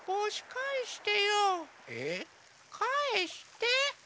かえして！